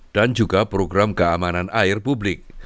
dan juga program keamanan air publik